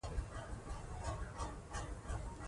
ډاکټره د نسج څېړنه کوي.